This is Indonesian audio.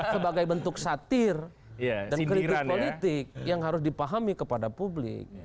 sebagai bentuk satir dan kritik politik yang harus dipahami kepada publik